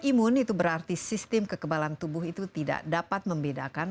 imun itu berarti sistem kekebalan tubuh itu tidak dapat membedakan